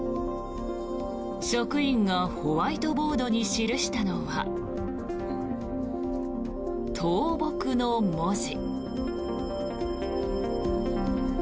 職員がホワイトボードに記したのは倒木の文字。